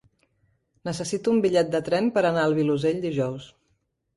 Necessito un bitllet de tren per anar al Vilosell dijous.